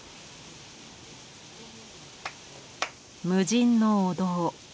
無人のお堂。